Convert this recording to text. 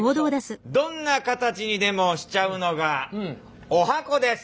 「どんな形にでもしちゃうのが十八番です」。